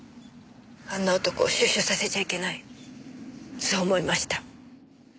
あんな男出所させちゃいけないそう思いました。